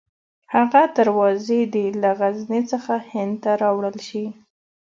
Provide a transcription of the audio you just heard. هغه دروازې دې له غزني څخه هند ته راوړل شي.